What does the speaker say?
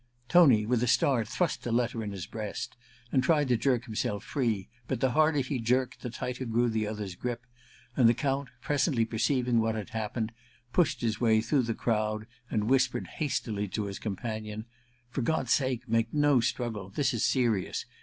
Tony, with a start, thrust the letter in his breast, and tried to jerk himself free ; but the harder he jerked the tighter grew the other's grip, and the Count, presendy perceiving what had happened, pushed his way through the crowd, and whispered hastily to his companion :^ For God's sake, make no struggle. This is serious.